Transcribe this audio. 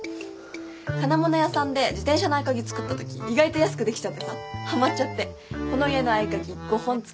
金物屋さんで自転車の合鍵作ったとき意外と安くできちゃってさハマっちゃってこの家の合鍵５本作っちゃった。